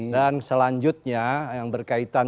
dan selanjutnya yang berkaitan